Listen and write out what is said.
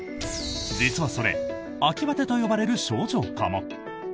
実はそれ秋バテと呼ばれる症状かも？